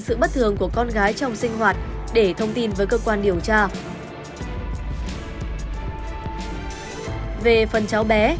sự bất thường của con gái trong sinh hoạt để thông tin với cơ quan điều tra về phần cháu bé